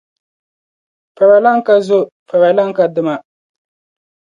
Faralana ka zo, faralana ka dima.